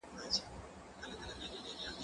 کېدای سي موسيقي خراب وي؟!